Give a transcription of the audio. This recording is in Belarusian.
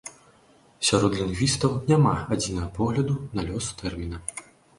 Сярод лінгвістаў няма адзінага погляду на лёс тэрміна.